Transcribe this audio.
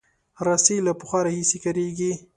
رسۍ له پخوا راهیسې کارېږي.